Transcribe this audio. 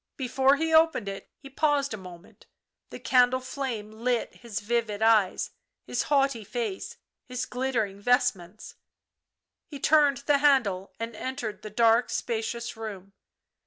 Before he opened it he paused a moment ; the candle flame lit his vivid eyes, his haughty face, his glittering vestments He turned the handle and entered the dark, spacious room.